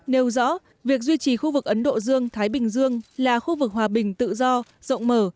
nêu rõ việc duy trì khu vực ấn độ dương thái bình dương là khu vực hòa bình tự do rộng mở